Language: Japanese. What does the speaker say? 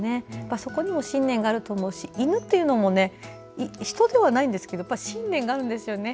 そこにも信念があると思うし犬というのも人ではないんですけど信念があるんですよね。